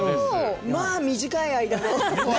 まあ短い間。